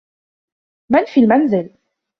من في المنزل؟